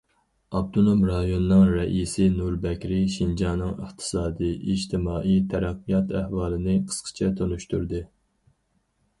ئاپتونوم رايوننىڭ رەئىسى نۇر بەكرى شىنجاڭنىڭ ئىقتىسادىي، ئىجتىمائىي تەرەققىيات ئەھۋالىنى قىسقىچە تونۇشتۇردى.